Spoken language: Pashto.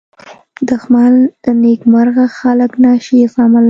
دښمن له نېکمرغه خلک نه شي زغملی